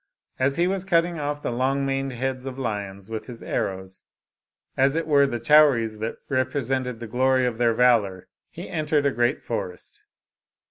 As he was cutting off the long maned heads of lions with his arrows, as it were the chow ries that represented the glory of their valor, he entered a great forest.